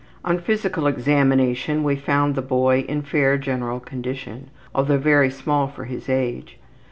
On physical examination we found the boy in fair general condition, although very small for his age.